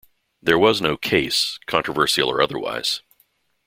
There was no "case," controversial or otherwise.